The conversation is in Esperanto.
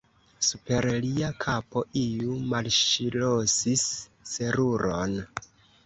Super lia kapo iu malŝlosis seruron.